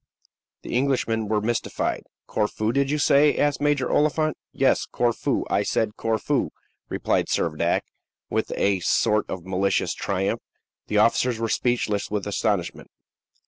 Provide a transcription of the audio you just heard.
The Englishmen were mystified. "Corfu, did you say?" asked Major Oliphant. "Yes, Corfu; I said Corfu," replied Servadac, with a sort of malicious triumph. The officers were speechless with astonishment.